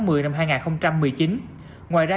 ngoài ra điều hành khách mua vé